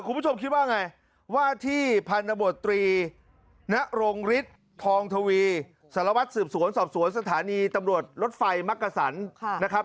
คุณผู้ชมคิดว่าไงว่าที่พันธบทตรีนรงฤทธิ์ทองทวีสารวัตรสืบสวนสอบสวนสถานีตำรวจรถไฟมักกะสันนะครับ